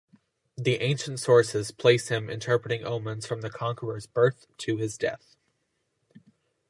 The ancient sources place him interpreting omens from the conqueror's birth to his death.